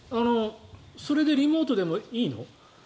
それでリモートでもいいの？